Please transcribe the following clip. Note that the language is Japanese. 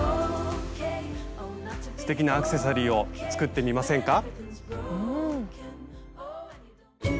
すてきなアクセサリーを作ってみませんか？